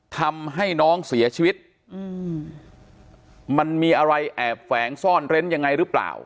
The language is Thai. ทำให้น้องเสียชีวิตอืมมันมีอะไรแอบแฝงซ่อนเร้นยังไงหรือเปล่า